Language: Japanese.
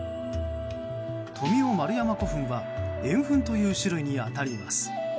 富雄丸山古墳は円墳という種類に当たります。